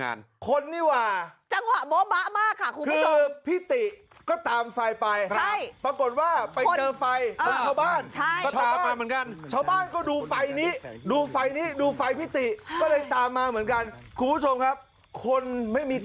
อันนี้เป็นคนนะครับคนที่เปิดไฟโลกส่องอยู่ไกล